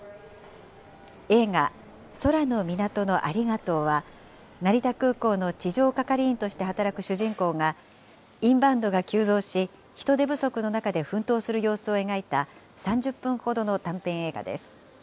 映画、空の港のありがとうは、成田空港の地上係員として働く主人公が、インバウンドが急増し、人手不足の中で奮闘する様子を描いた３０分ほどの短編映画です。